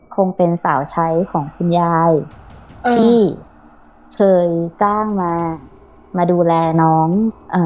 คงเป็นสาวใช้ของคุณยายที่เคยจ้างมามาดูแลน้องเอ่อ